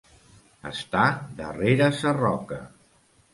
Estar darrere sa roca.